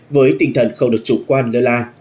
với tinh thần không được chủ quan lơ la